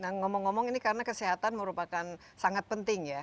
nah ngomong ngomong ini karena kesehatan merupakan sangat penting ya